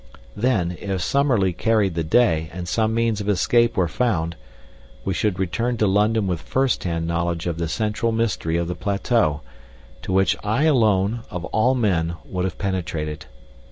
Then, if Summerlee carried the day and some means of escape were found, we should return to London with first hand knowledge of the central mystery of the plateau, to which I alone, of all men, would have penetrated.